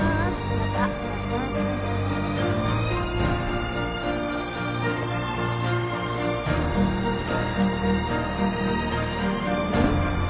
またお願いしますん？